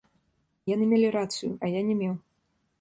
Яны мелі рацыю, я не меў.